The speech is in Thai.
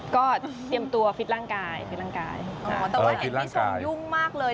ก็เตรียมตัวฟิตร่างกายฟิตร่างกายอ๋อแต่ว่าเห็นพี่ชมยุ่งมากเลย